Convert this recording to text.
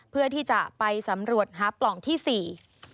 เพื่อที่จะไปสำรวจหาปล่องที่สี่